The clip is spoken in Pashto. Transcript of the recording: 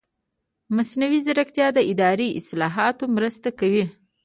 مصنوعي ځیرکتیا د اداري اصلاحاتو مرسته کوي.